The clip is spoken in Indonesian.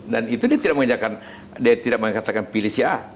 dan itu dia tidak mengatakan pilih si a